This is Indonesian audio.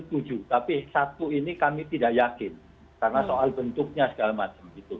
setuju tapi satu ini kami tidak yakin karena soal bentuknya segala macam